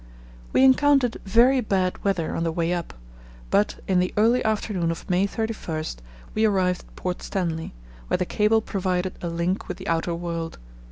We encountered very bad weather on the way up, but in the early afternoon of May 31 we arrived at Port Stanley, where the cable provided a link with the outer world.